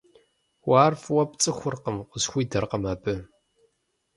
— Уэ ар фӀыуэ пцӀыхуркъым, — къысхуидэркъым абы.